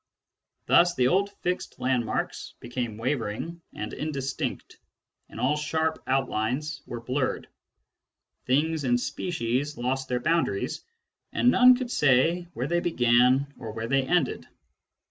Thus the old fixed landmarks became wavering and indistinct, and all sharp outlines were blurred. Things and species lost their boundaries, and none could say where they began or where they ended.